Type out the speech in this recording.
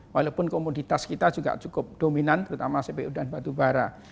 walaupun komoditas kita juga cukup dominan terutama cpu dan batu bara